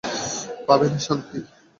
পাবে না শান্তি।